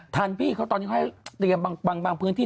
ทันพี่เขาตอนนี้ให้เตรียมบางพื้นที่